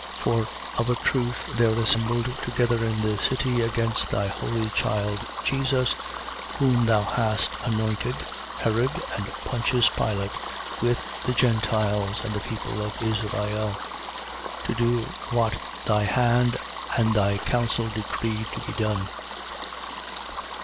4:27. For of a truth there assembled together in this city against thy holy child Jesus, whom thou hast anointed, Herod, and Pontius Pilate, with the Gentiles and the people of Israel, 4:28. To do what thy hand and thy counsel decreed to be done.